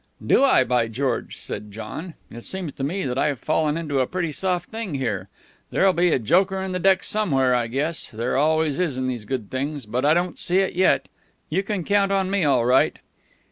"Do I, by George!" said John. "It seems to me that I've fallen into a pretty soft thing here. There'll be a joker in the deck somewhere, I guess. There always is in these good things. But I don't see it yet. You can count me in all right."